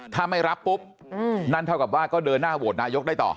ถ้าไม่รับปุ๊บนั่นเท่ากับว่าก็เดินหน้าโหวตนายกได้ต่อ